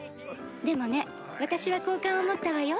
でもね私は好感を持ったわよ。